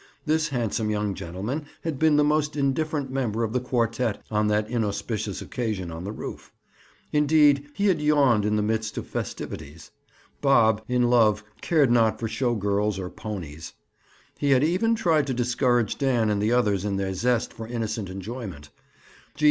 This handsome young gentleman had been the most indifferent member of the quartet on that inauspicious occasion on the roof; indeed, he had yawned in the midst of festivities. Bob, in love, cared not for show girls or ponies. He had even tried to discourage Dan and the others in their zest for innocent enjoyment.